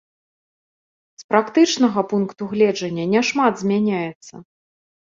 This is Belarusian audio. З практычнага пункту гледжання няшмат змяняецца.